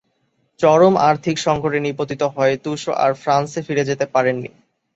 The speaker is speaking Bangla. চরম আর্থিক সঙ্কটে নিপতিত হয়ে তুসো আর ফ্রান্সে ফিরে যেতে পারেননি।